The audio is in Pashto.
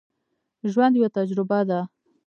ژوند یوه تجربه ده.